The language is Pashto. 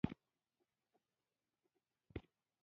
د تعامل څرنګوالی یې له نیږدې څخه وګورو.